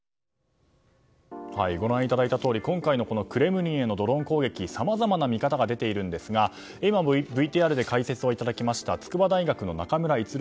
ご覧いただいたとおりクレムリンへのドローン攻撃、さまざまな見方が出ているんですが今も映像で解説をいただきました筑波大学の中村逸郎